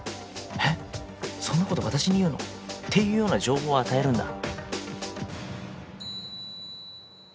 「えっそんなこと私に言うの？」っていうような情報を与えるんだ。